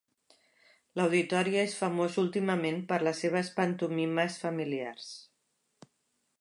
L'auditori és famós últimament per les seves pantomimes familiars.